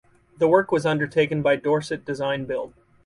The work was undertaken by Dorset Design Build.